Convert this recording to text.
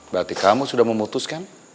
berarti kamu sudah memutuskan